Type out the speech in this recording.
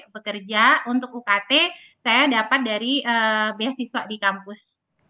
bekerja untuk ukt saya dapat dari beasiswa di kampus